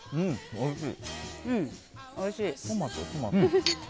おいしい。